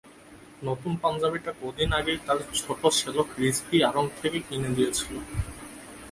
নতুন পাঞ্জাবিটা কদিন আগেই তার ছোট শ্যালক রিজভি আড়ং থেকে কিনে দিয়েছিল।